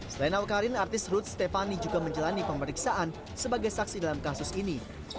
selain awkarin artis ruth stefani juga menjalani pemeriksaan sebagai saksi dalam kasus ini